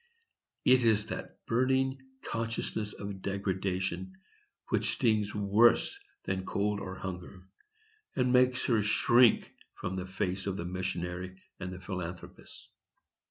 It is that burning consciousness of degradation which stings worse than cold or hunger, and makes her shrink from the face of the missionary and the philanthropist.